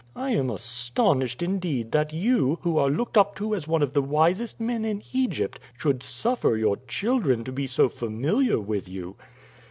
I am astonished indeed that you, who are looked up to as one of the wisest men in Egypt, should suffer your children to be so familiar with you."